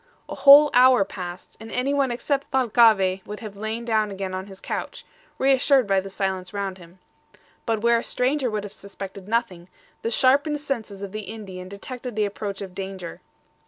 A whole hour passed, and anyone except Thalcave would have lain down again on his couch, reassured by the silence round him. But where a stranger would have suspected nothing, the sharpened senses of the Indian detected the approach of danger.